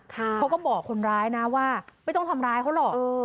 เขาก็บอกคนร้ายนะว่าไม่ต้องทำร้ายเขาหรอก